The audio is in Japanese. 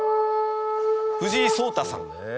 藤井聡太さん。